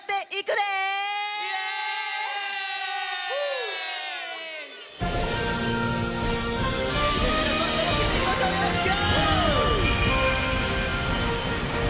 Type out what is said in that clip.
よろしく！